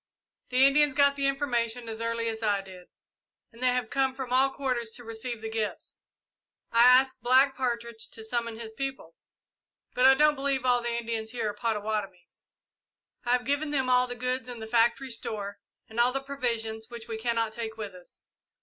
The Indians got the information as early as I did, and they have come from all quarters to receive the gifts. I asked Black Partridge to summon his people, but I don't believe all the Indians here are Pottawattomies. I have given them all the goods in the factory store, and all the provisions which we cannot take with us.